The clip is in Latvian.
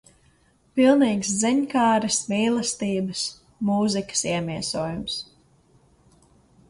Pilnīgs ziņkāres, mīlestības, mūzikas iemiesojums.